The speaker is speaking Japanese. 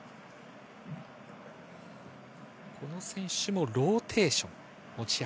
この選手もローテーションが持ち味。